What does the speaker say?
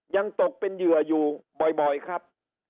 ยังตกเป็นเหยื่ออยู่บ่อยครับ